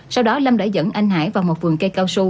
sau đó lâm đã dẫn anh hải vào một vườn cây cao su